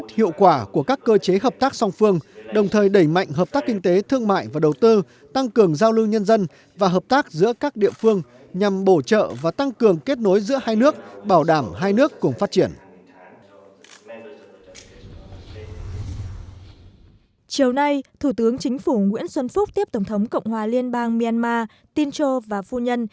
thủ tướng chính phủ nguyễn xuân phúc tiếp tổng thống cộng hòa liên bang myanmar tin châu và phu nhân